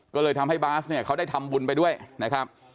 ก็เลยทำให้บาสเนี่ยเขาได้ทำบุญไปด้วยนะครับ